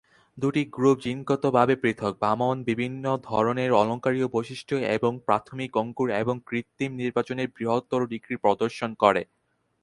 দুটি গ্রুপ জিনগতভাবে পৃথক, বামন বিভিন্ন ধরণের অলঙ্কারীয় বৈশিষ্ট্য এবং প্রাথমিক অঙ্কুর এবং কৃত্রিম নির্বাচনের বৃহত্তর ডিগ্রি প্রদর্শন করে।